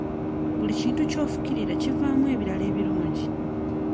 Buli kintu ky'ofukirira kivaamu ebibala ebirungi.